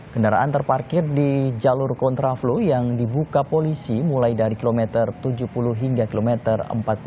kendaraan terparkir di jalur kontraflow yang dibuka polisi mulai dari kilometer tujuh puluh hingga kilometer empat puluh